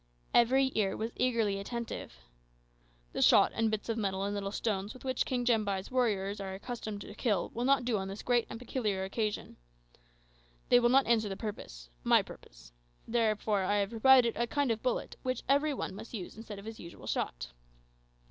(Every ear was eagerly attentive.) "The shot and bits of metal and little stones with which King Jambai's warriors are accustomed to kill will not do on this great and peculiar occasion. They will not answer the purpose my purpose; therefore I have provided a kind of bullet which every one must use instead of his usual shot.